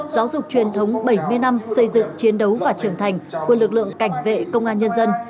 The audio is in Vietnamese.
giáo dục truyền thống bảy mươi năm xây dựng chiến đấu và trưởng thành của lực lượng cảnh vệ công an nhân dân